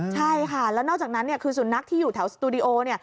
ใช่ค่ะแล้วนอกจากนั้นคือสุนัขที่อยู่แถวสตูดิโอ